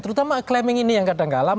terutama acclaiming ini yang kadang kadang